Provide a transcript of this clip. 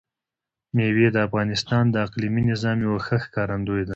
مېوې د افغانستان د اقلیمي نظام یوه ښه ښکارندوی ده.